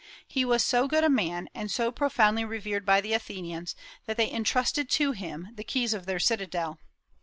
He was so good a man, and so profoundly revered by the Athenians, that they intrusted to him the keys of their citadel.